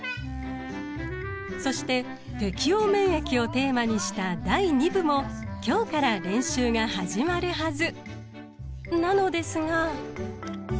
そして「適応免疫」をテーマにした第２部も今日から練習が始まるはず！なのですが。